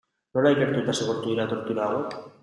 Nola ikertu eta zigortu dira tortura hauek?